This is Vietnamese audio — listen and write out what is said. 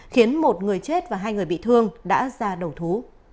khiến một người chết và hai người bị thương đã ra đầu thú